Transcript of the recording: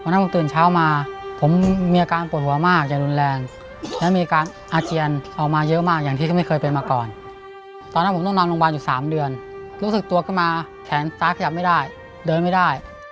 รู้สึกตัวขึ้นมาแขนสตาร์ทขยับไม่ได้เดินไม่ได้